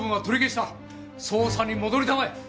捜査に戻りたまえ！